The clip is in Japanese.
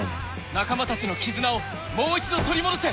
［仲間たちの絆をもう一度取り戻せ］